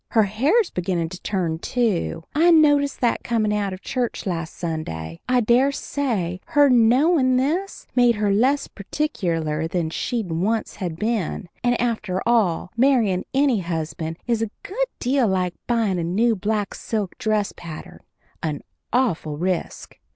Her hair's beginnin' to turn, too; I noticed that comin' out of church last Sunday. I dare say her knowing this made her less particular than she'd once have been; and after all, marryin' any husband is a good deal like buyin' a new black silk dress pattern an awful risk.